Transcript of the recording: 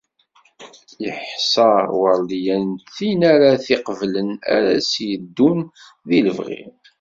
Yeḥsa Werdiya d tin ara t-iqeblen ara as-yeddun deg lebɣi.